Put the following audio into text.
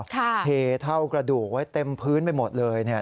เทเท่ากระดูกไว้เต็มพื้นไปหมดเลยเนี่ย